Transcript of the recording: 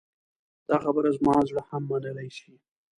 دا خبره زما زړه هم منلی شي.